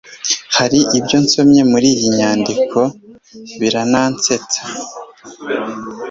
Hari ibyo nsomye muri iyi nyandiko birnansetsa